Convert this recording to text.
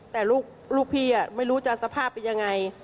แต่ลูกพี่ไม่รู้จะสภาพเป็นยังไง